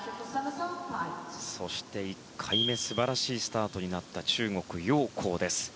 そして１回目素晴らしいスタートになった中国のヨウ・コウ。